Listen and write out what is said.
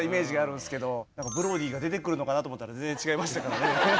ブロディが出てくるのかなと思ったら全然違いましたからね。